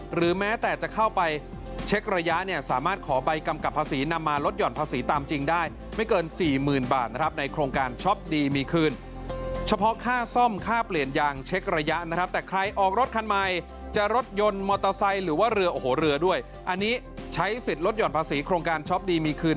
หรือแม้แต่จะเข้าไปเช็คระยะเนี่ยสามารถขอใบกำกับภาษีนำมาลดหย่อนภาษีตามจริงได้ไม่เกินสี่หมื่นบาทนะครับในโครงการช็อปดีมีคืนเฉพาะค่าซ่อมค่าเปลี่ยนยางเช็คระยะนะครับแต่ใครออกรถคันใหม่จะรถยนต์มอเตอร์ไซค์หรือว่าเรือโอ้โหเรือด้วยอันนี้ใช้สิทธิ์ลดหย่อนภาษีโครงการช็อปดีมีคืน